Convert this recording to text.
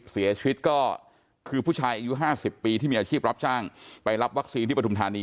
เสียชีวิตก็คือผู้ชายอายุ๕๐ปีที่มีอาชีพรับจ้างไปรับวัคซีนที่ปฐุมธานี